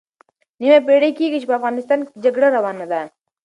نیمه پېړۍ کېږي چې په افغانستان کې جګړه روانه ده.